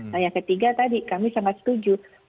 nah yang ketiga tadi kami sangat setuju